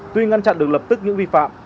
tuy ngăn chặn được lập tức những vi phạm